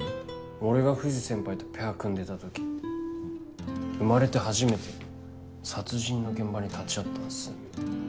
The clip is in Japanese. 俺が藤先輩とペア組んでた時生まれて初めて殺人の現場に立ち会ったんです。